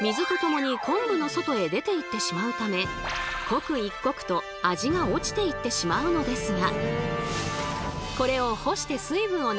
刻一刻と味が落ちていってしまうのですが。